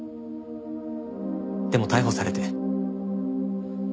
でも逮捕されて。